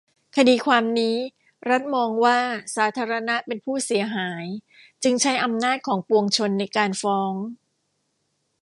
คดีความนี้รัฐมองว่าสาธารณะเป็นผู้เสียหาย จึงใช้อำนาจของปวงชนในการฟ้อง